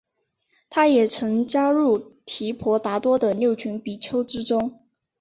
他也曾加入提婆达多的六群比丘之中。